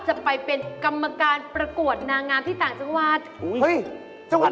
มึวงโหวงมังกร